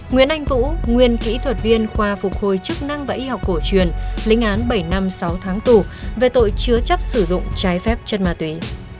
nguyễn anh vũ nguyên kỹ thuật viên khoa phục hồi chức năng và y học cổ truyền lĩnh án bảy năm sáu tháng tù về tội chứa chấp sử dụng trái phép chất ma túy